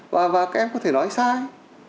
và các em có thể nói sai